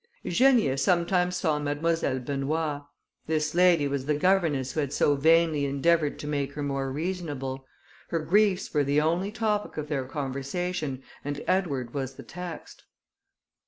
Eugenia sometimes saw Mademoiselle Benoît. This lady was the governess who had so vainly endeavoured to make her more reasonable. Her griefs were the only topic of their conversation, and Edward was the text.